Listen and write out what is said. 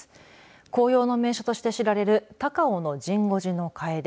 紅葉の名所として知られる高雄の神護寺のカエデ。